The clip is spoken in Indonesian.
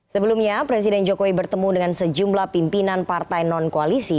sebelumnya presiden jokowi bertemu dengan sejumlah pimpinan partai non koalisi